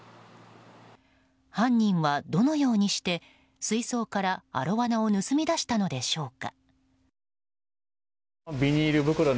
犯人はどのようにして水槽からアロワナを盗み出したのでしょうか。